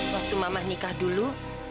waktu mama nikah dulu